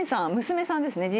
娘さんですね。